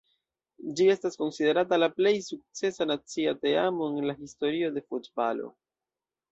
Ĝi estas konsiderata la plej sukcesa nacia teamo en la historio de futbalo.